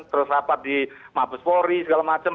terus rapat di mabespori segala macam